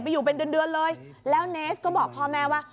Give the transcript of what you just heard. อยู่เป็นเดือนเดือนเลยแล้วเนสก็บอกพ่อแม่ว่า